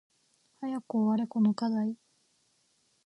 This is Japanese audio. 早く終われこの課題